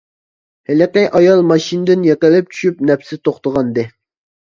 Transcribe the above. ھېلىقى ئايال ماشىنىدىن يىقىلىپ چۈشۈپ نەپىسى توختىغانىدى.